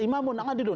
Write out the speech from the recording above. imam saya harus adil